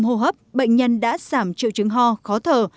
trong tâm hô hấp bệnh nhân đã giảm triệu chứng ho khó thở